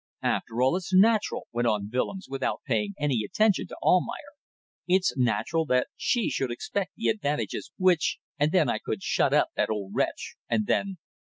"After all it's natural," went on Willems, without paying any attention to Almayer "it's natural that she should expect the advantages which ... and then I could shut up that old wretch and then